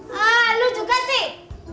malu juga sih